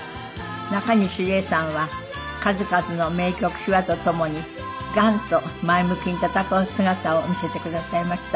なかにし礼さんは数々の名曲秘話と共にがんと前向きに闘う姿を見せてくださいました。